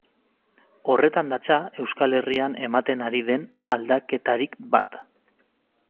Horretan datza Euskal Herrian ematen ari den aldaketarik bat.